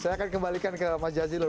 saat ini saya kembalikan ke pak jazilul